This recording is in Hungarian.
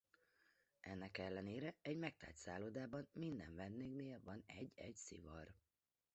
Ennek ellenére egy megtelt szállodában minden vendégnél van egy-egy szivar.